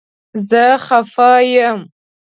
زه خفه یم